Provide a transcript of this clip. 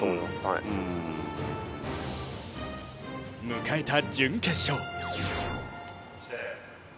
迎えた準決勝。